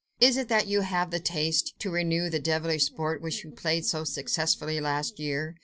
Is it that you have the taste to renew the devilish sport which you played so successfully last year?